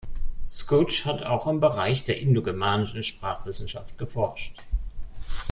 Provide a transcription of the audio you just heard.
Skutsch hat auch im Bereich der indogermanischen Sprachwissenschaft geforscht.